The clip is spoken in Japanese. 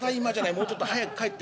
もうちょっと早く帰ってきてくれ。